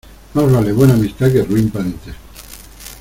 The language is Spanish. Más vale buena amistad que ruin parentesco.